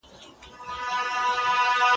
هره قرآني قصه پخپل ځای کي ډير مهم عبرتونه لري.